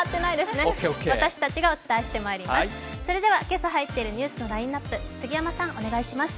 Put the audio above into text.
それでは今朝入っているニュースのラインナップ、杉山さん、お願いします。